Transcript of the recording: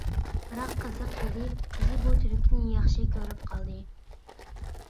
بىراق، قىزىق يېرى، قىزى بۇ تۈركنى ياخشى كۆرۈپ قالدى.